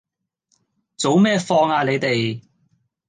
早咩放呀你哋